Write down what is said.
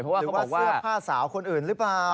หรือว่าเสื้อผ้าสาวคนอื่นหรือเปล่า